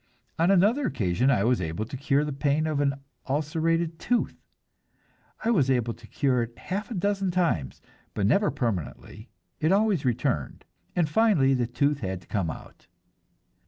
On another occasion I was able to cure the pain of an ulcerated tooth; I was able to cure it half a dozen times, but never permanently, it always returned, and finally the tooth had to come out.